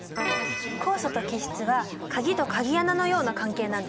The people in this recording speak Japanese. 酵素と基質は鍵と鍵穴のような関係なんだよ。